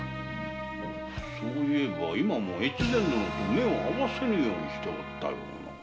そう言えば今も大岡殿に目を合わせぬようにしておった。